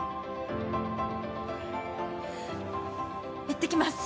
いってきます。